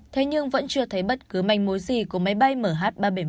thế nhưng vẫn chưa thấy bất cứ manh mối gì của máy bay mh ba trăm bảy mươi một